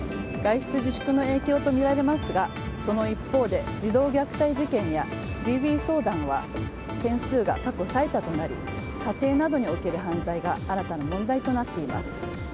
外出自粛の影響とみられますがその一方で児童虐待事件やＤＶ相談は件数が過去最多となり家庭などにおける犯罪が新たな問題となっています。